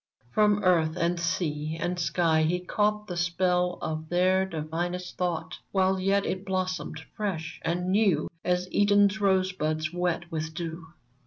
From earth and sea and sky he caught The spell of their divinest thought, While yet it blossomed fresh and new As Eden's rosebuds wet with dew